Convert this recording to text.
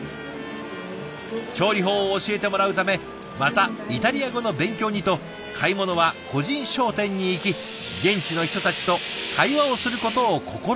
調理法を教えてもらうためまたイタリア語の勉強にと買い物は個人商店に行き現地の人たちと会話をすることを心がけているそうです。